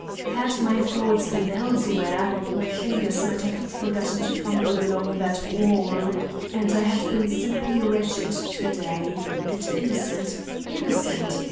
Had my thoughts been elsewhere, my fingers might have forgotten to fumble along that wall, and I had been simply wretched today,—and innocent. Innocent!